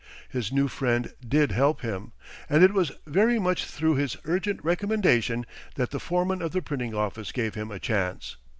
His new friend did help him, and it was very much through his urgent recommendation that the foreman of the printing office gave him a chance.